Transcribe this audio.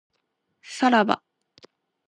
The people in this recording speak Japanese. さらば